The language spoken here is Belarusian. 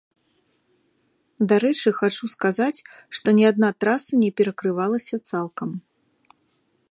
Дарэчы, хачу сказаць, што ні адна траса не перакрывалася цалкам.